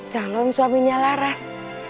calon suaminya laras